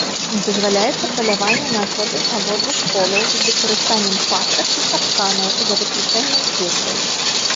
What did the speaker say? Дазваляецца паляванне на асобін абодвух полаў з выкарыстаннем пастак і капканаў, за выключэннем петляў.